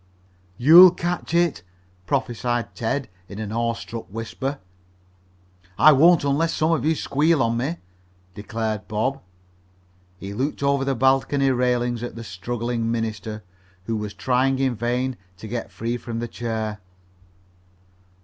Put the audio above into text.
"You'll catch it!" prophesied Ted, in an awestruck whisper. "I won't unless some of you squeal on me," declared Bob. He looked over the balcony railing at the struggling minister, who was trying in vain to get free from the chair.